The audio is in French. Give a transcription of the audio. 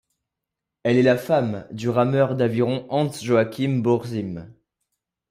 Elle est la femme du rameur d'aviron Hans-Joachim Borzym.